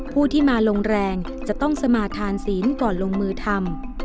ผู้ที่มาลงแรงจะต้องสมาธานศีลก่อนลงมือทำ